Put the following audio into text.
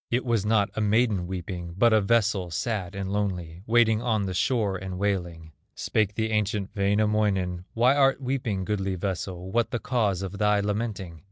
It was not a maiden weeping, But a vessel, sad, and lonely, Waiting on the shore and wailing. Spake the ancient Wainamoinen: "Why art weeping, goodly vessel, What the cause of thy lamenting?